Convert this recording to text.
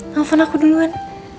telepon aku duluan